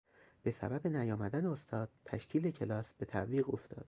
به سبب نیامدن استاد، تشکیل کلاس به تعویق افتاد.